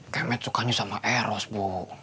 kayak matt sukanya sama eros bu